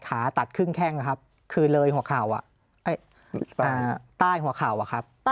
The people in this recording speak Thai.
ขาตัดครึ่งแข้งอ่ะครับคือเลยหัวข่าวอ่ะเอ้ยอ่าใต้หัวข่าวอ่ะครับ